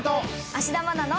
『芦田愛菜の』。